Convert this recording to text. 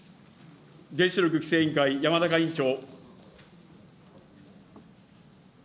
原子力規制委員会、山中委員長。